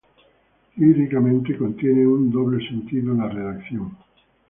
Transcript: Líricamente, contiene un doble sentido en la redacción.